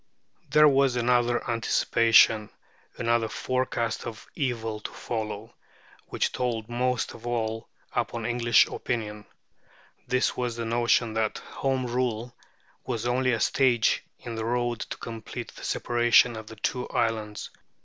There was another anticipation, another forecast of evils to follow, which told most of all upon English opinion. This was the notion that Home Rule was only a stage in the road to the complete separation of the two islands.